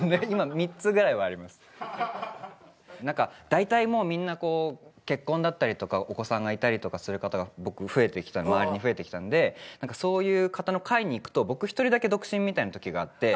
だいたいもうみんな結婚だったりとかお子さんがいたりとかする方が僕周りに増えてきたんでそういう方の会に行くと僕一人だけ独身みたいなときがあって。